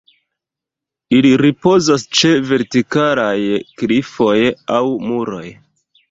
Ili ripozas ĉe vertikalaj klifoj aŭ muroj.